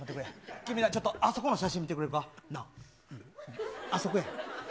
君な、ちょっとあそこの写真見てくれるか、なぁ、あそこや。